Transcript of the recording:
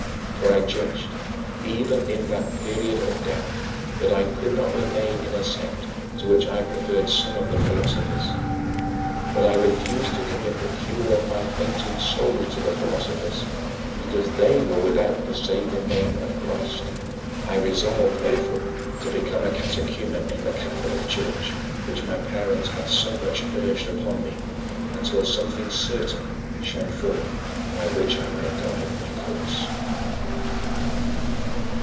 For I judged, even in that period of doubt, that I could not remain in a sect to which I preferred some of the philosophers. But I refused to commit the cure of my fainting soul to the philosophers, because they were without the saving name of Christ. I resolved, therefore, to become a catechumen in the Catholic Church which my parents had so much urged upon me until something certain shone forth by which I might guide my course.